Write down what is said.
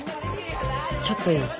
ちょっといい？